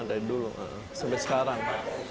dari dulu sampai sekarang